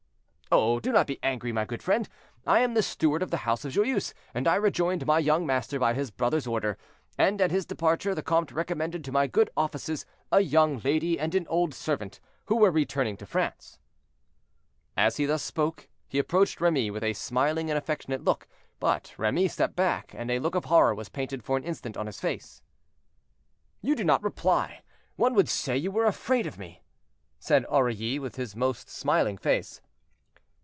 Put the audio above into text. "Oh! do not be angry, my good friend; I am the steward of the house of Joyeuse, and I rejoined my young master by his brother's order, and at his departure the comte recommended to my good offices a young lady and an old servant, who were returning to France." As he thus spoke, he approached Remy with a smiling and affectionate look. But Remy stepped back, and a look of horror was painted for an instant on his face. "You do not reply; one would say you were afraid of me," said Aurilly, with his most smiling face.